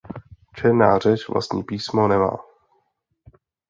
Černá řeč vlastní písmo nemá.